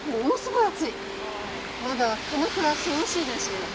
まだ鎌倉は涼しいですよ。